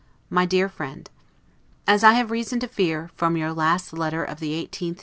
MY DEAR FRIEND: As I have reason to fear, from your M last letter of the 18th, N.